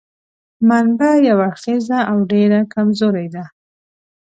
منبع یو اړخیزه او ډېره کمزورې ده.